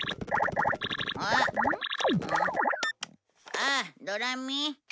ああドラミ？